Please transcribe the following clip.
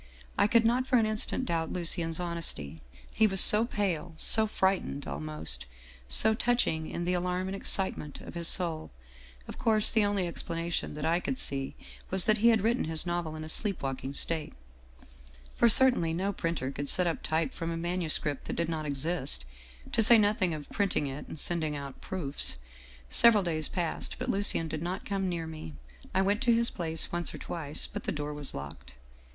I could not for an instant doubt Lucien's hon esty, he was so pale, so frightened almost so touching in the alarm and excitement of his soul. Of course the only explanation that I could see was that he had written his novel in a sleep walking state. " For certainly no printer could set up type from a manu script that did not exist, to say nothing of printing it and sending out proofs. " Several days passed, but Lucien did not come near me. I went to his place once or twice, but the door was locked.